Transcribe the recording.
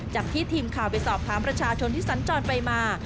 จากที่ทีมข่าวไปสอบถามประชาชนที่สัญจรไปมา